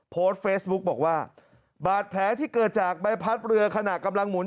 โพสต์เฟซบุ๊กบอกว่าบาดแผลที่เกิดจากใบพัดเรือขณะกำลังหุ่น